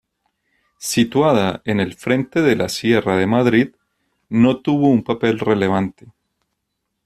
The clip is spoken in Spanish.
Situada en el frente de la Sierra de Madrid, no tuvo un papel relevante.